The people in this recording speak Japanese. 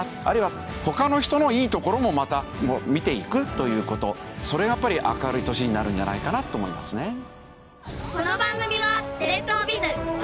あるいは他の人のいいところもまた見ていくということそれがやっぱり明るい年になるんじゃないかなと思いますね。